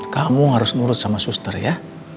kamu harus nurut sama suster ya